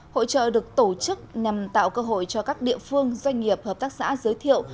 hội trợ được tổ chức nhằm tạo cơ hội cho các địa phương doanh nghiệp hợp tác xã giới thiệu